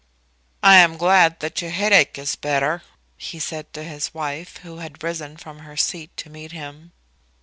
"I am glad that your headache is better," he said to his wife, who had risen from her seat to meet him.